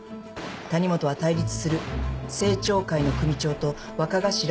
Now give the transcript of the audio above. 「谷本は対立する清兆会の組長と若頭を射殺。